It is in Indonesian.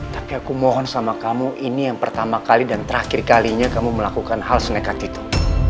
tapi aku mohon sama kamu ini yang pertama kali dan terakhir kalinya kamu melakukan hal senekat itu